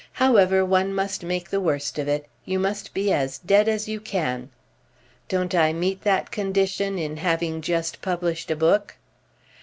However, one must make the worst of it. You must be as dead as you can." "Don't I meet that condition in having just published a book?"